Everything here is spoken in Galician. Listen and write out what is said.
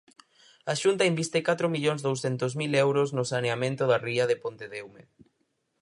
A Xunta inviste catro millóns douscentos mil euros no saneamento da ría de Pontedeume.